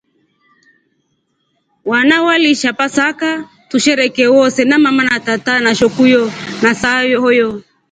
Wana walisha pasaka tusherekee wose na mama na tata na shokuyo na sayo.